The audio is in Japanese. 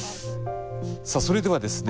さあそれではですね